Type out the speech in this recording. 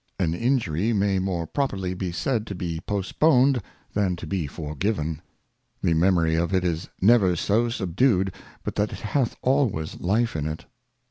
AN Injury may more properly be said to be postponed, than to be forgiven. The Memory of it is never so subdued, but that it hath always Life in it.